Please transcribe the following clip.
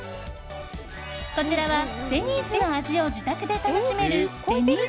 こちらはデニーズの味を自宅で楽しめるＤｅｎｎｙ